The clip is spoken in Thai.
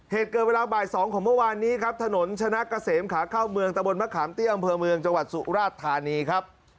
เหตุเกิดเวลาบ่าย๒ของเมื่อวานนี้ครับถนนชนะเกษมขาเข้าเมืองตะบนมะขามเตี้ยอำเภอเมืองจังหวัดสุราชธานีครับ